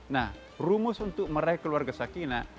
nah rumus untuk meraih keluarga sakinah